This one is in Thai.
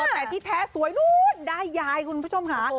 แต่ที่แท้สวยนู้นได้ยายคุณผู้ชมค่ะ